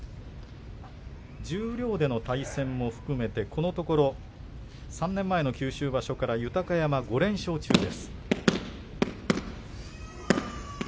十両での対戦も含めてこのところ３年前の九州場所から豊山、５連勝中です。